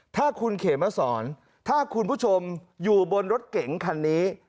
ถ้าคุณเขมสอนถ้าคุณผู้ชมอยู่บนรถเก๋งคันนี้